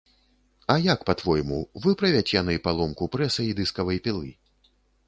А як па-твойму, выправяць яны паломку прэса і дыскавай пілы?